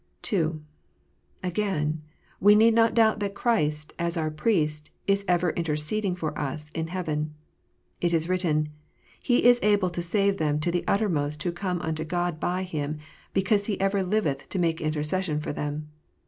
(2) Again : we need not doubt that Christ, as our Priest, is ever interceding for us in heaven. It is written, " He is able to save them to the uttermost who come unto God by Him, because He ever liveth to make intercession for them."